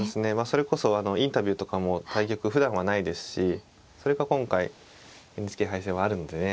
それこそあのインタビューとかも対局ふだんはないですしそれが今回ＮＨＫ杯戦はあるのでね。